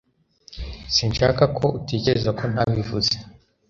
Sinshaka ko utekereza ko ntabivuze.